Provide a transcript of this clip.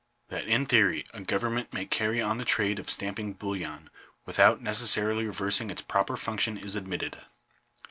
That in theory a government may carry on the trade of stamping bullion without necessarily reversing its proper function is admitted.